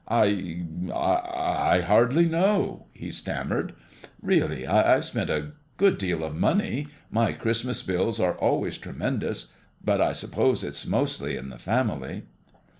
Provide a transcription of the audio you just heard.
"I I hardly know," he stammered. "Really, I've spent a good deal of money; my Christmas bills are always tremendous, but I suppose it's mostly in the family."